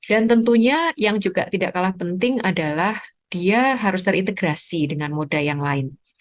dan tentunya yang juga tidak kalah penting adalah dia harus terintegrasi dengan moda yang lain